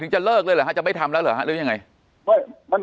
ถึงจะเลิกเลยนะคะจะไม่ทำแล้วหรอหรือแหงไงมันมัน